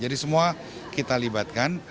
jadi semua kita libatkan